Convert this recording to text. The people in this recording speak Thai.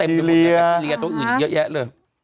แบคทีเรียตัวอื่นเยอะแยะเลย